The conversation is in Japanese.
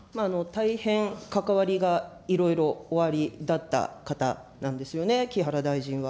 大変関わりがいろいろおありだった方なんですよね、木原大臣は。